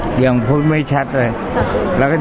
คุยยังไม่ชัดเลย